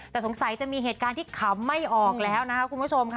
แต่สงสัยจะมีเหตุการณ์ที่ขำไม่ออกแล้วนะคะคุณผู้ชมค่ะ